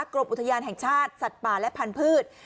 กรมอุทยานแห่งชาติสัตว์ป่าและพันธุ์